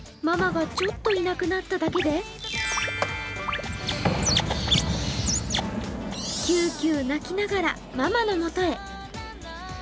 ママがちょっといなくなっただけでキューキュー鳴きながらママのもとへ。